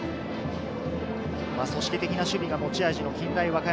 組織的な守備が持ち味の近大和歌山。